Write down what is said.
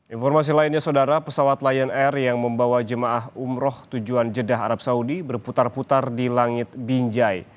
informasi lainnya saudara pesawat lion air yang membawa jemaah umroh tujuan jeddah arab saudi berputar putar di langit binjai